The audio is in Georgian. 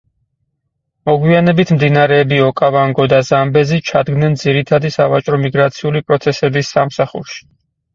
მოგვიანებით მდინარეები ოკავანგო და ზამბეზი ჩადგნენ ძირითადი სავაჭრო და მიგრაციული პროცესების სამსახურში.